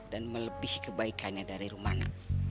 dan melebihi kebaikannya dari rumana